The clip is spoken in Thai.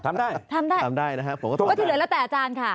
ถามได้นะครับผมก็ถามได้นะครับโทษใครก็ถือเหลือแล้วแต่อาจารย์ค่ะ